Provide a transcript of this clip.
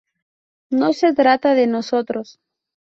No se trata de nosotros.